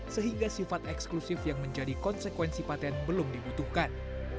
sehingga sifat eksklusif yang menjadi konsekuensi patent belum dibutuhkan